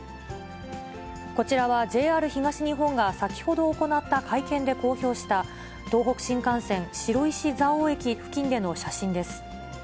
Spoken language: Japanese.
こちらはＪＲ東日本が先ほど行った会見で公表した、東北新幹線白石蔵王駅付近での写真です。